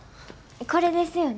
これですよね？